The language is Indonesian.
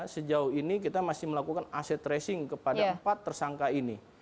sejauh ini kita masih melakukan aset tracing kepada empat tersangka ini